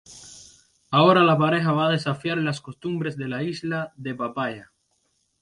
Ahora la pareja va a desafiar las costumbres de la Isla de Papaya.